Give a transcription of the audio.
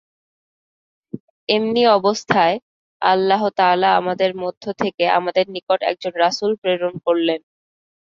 এমনি অবস্থায় আল্লাহ তাআলা আমাদের মধ্য থেকে আমাদের নিকট একজন রাসূল প্রেরণ করলেন।